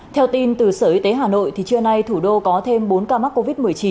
theo tin từ sở y tế hà nội trưa nay thủ đô có thêm bốn ca mắc covid một mươi chín